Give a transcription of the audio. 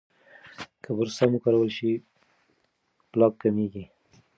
که برس سم وکارول شي، پلاک کمېږي.